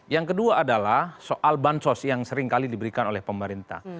yang kedua adalah soal bansos yang seringkali diberikan oleh pemerintah